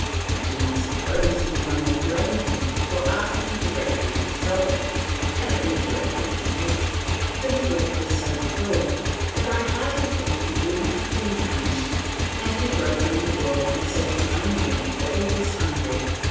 I do not suppose any one will blame him for asking directly for salt and indirectly for meat; the neglect was so cruel that I hardly think he would have been punished had he broken the rule and said plainly that he was hungry.